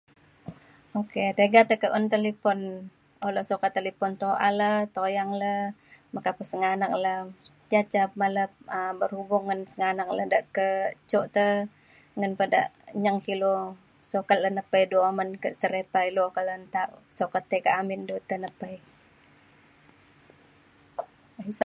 ok tiga tekak un talifon. o le sukat talifon tu’a le tuyang le meka pe sengganak le. ya ca ma le um berhubung ngan sengganak le de ke jok te ngan pa da nyeng ke ilu sukat le nepai du uman kak serita ilu okak le nta sukat tai ke amin du tai lepai